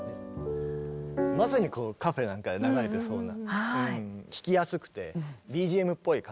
まさにこうカフェなんかで流れてそうな。